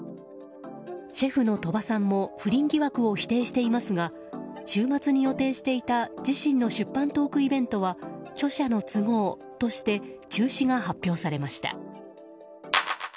シェフの鳥羽さんも不倫疑惑を否定していますが週末に予定していた自身の出版トークイベントは著者の都合として中止が発表されました。